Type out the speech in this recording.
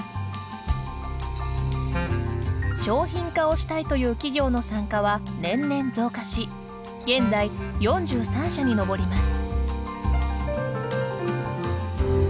商品化をしたいという企業の参加は年々増加し現在４３社に上ります。